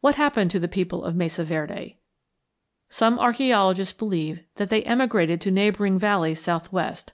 What happened to the people of the Mesa Verde? Some archæologists believe that they emigrated to neighboring valleys southwest.